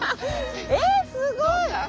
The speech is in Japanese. えすごい！